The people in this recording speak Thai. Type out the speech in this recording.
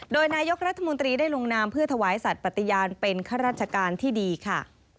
โดยนายกรัฐมนตรีได้ลงนามเพื่อถวายสัตว์ปฏิญาณเป็นข้าราชการที่ดีค่ะ